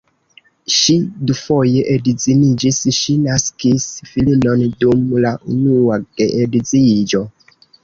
Ŝi dufoje edziniĝis, ŝi naskis filinon dum la unua geedziĝo.